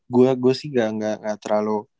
gue sih gak terlalu